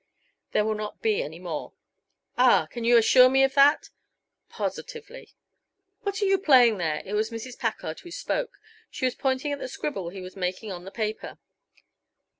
"There will not be any more." "Ah! you can assure me of that?" "Positively." "What are you playing there?" It was Mrs. Packard who spoke. She was pointing at the scribble he was making on the paper.